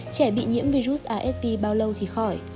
trẻ bị nhiễm virus asv bao lâu thì khỏi